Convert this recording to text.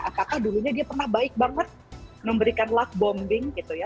apakah dulunya dia pernah baik banget memberikan luck bombing gitu ya